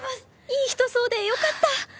いい人そうでよかった！